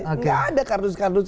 nggak ada kardus kardusnya